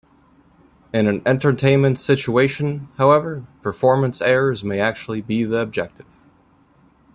In an entertainment situation, however, performance errors may actually be the objective.